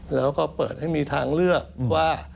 แล้วก็เปิดให้มีทางเลือกว่า